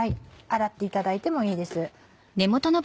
洗っていただいてもいいです。